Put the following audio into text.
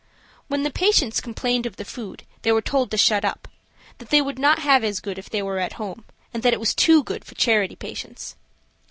When the patients complained of the food they were told to shut up; that they would not have as good if they were at home, and that it was too good for charity patients.